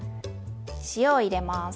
塩を入れます。